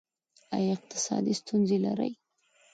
ایا اقتصادي ستونزې لرئ؟